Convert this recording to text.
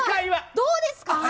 どうですか？